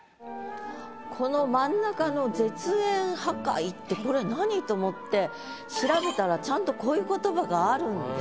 この真ん中の「絶縁破壊」ってこれ何？と思って調べたらちゃんとこういう言葉があるんですね。